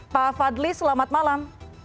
pak fadli selamat malam